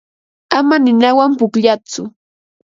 Ama ninawan pukllatsu.